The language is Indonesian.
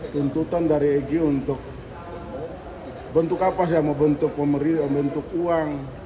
tuntutan dari egy untuk bentuk apa bentuk uang